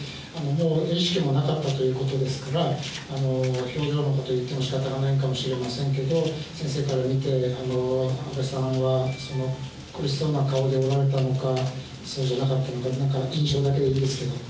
もう意識もなかったということですから、表情のことをいってもしかたがないのかもしれませんけど、先生から見て、安倍さんは苦しそうな顔でおられたのか、そうじゃなかったのか、なんか印象だけでいいんですけども。